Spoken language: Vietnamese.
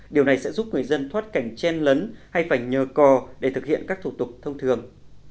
điều này sẽ giúp người dân thoát cảnh chen lấn hay phải nhờ cò để thực hiện các thủ tục thông thường